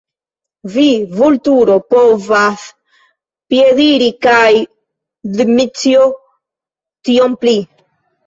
Vi, Vulturo, povas piediri kaj Dmiĉjo tiom pli!